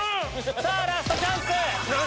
さぁラストチャンス！